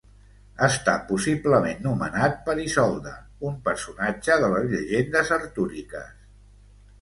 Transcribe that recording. Està possiblement nomenat per Isolda, un personatge de les llegendes artúriques.